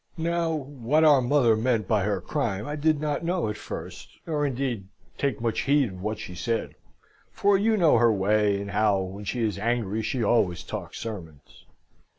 "Now, what our mother meant by her crime I did not know at first, or indeed take much heed of what she said; for you know her way, and how, when she is angry, she always talks sermons.